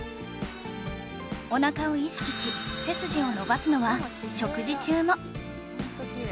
おなかを意識し背筋を伸ばすのは食事中も